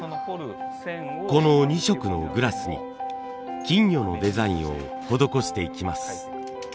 この２色のグラスに金魚のデザインを施していきます。